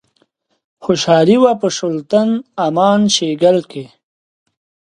خوشحالي وه په شُلتن، امان شیګل کښي